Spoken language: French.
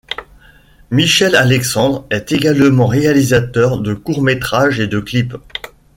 Michel Alexandre est également réalisateur de courts-métrages et de clips.